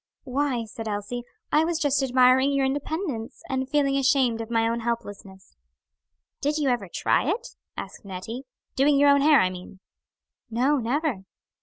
"Why," said Elsie, "I was just admiring your independence, and feeling ashamed of my own helplessness." "Did you ever try it," asked Nettie; "doing your own hair, I mean?" "No, never."